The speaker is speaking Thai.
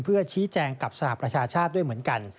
เพื่อชี้แจงกับสหประชาชาติด้วยเหมือนกัน